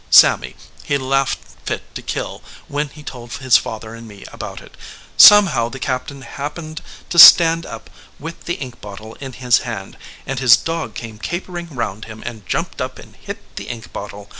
Sammy, he laughed fit to kill when he told his father and 156 THE LIAR me about it. Somehow the captain happened to stand up with the ink bottle in his hand, and his dog came capering round him, and jumped up and hit the ink bottle.